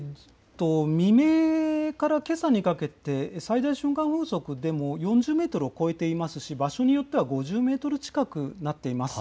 未明からけさにかけて、最大瞬間風速でも４０メートルを超えていますし、場所によっては５０メートル近くなっています。